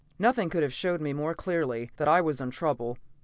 Nothing could have showed more clearly that I was in for trouble.